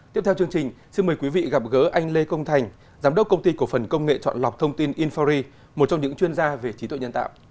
tiếp theo chương trình xin mời quý vị gặp gỡ anh lê công thành giám đốc công ty cổ phần công nghệ chọn lọc thông tin infori một trong những chuyên gia về trí tuệ nhân tạo